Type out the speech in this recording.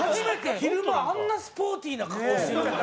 昼間あんなスポーティーな格好してるんだ。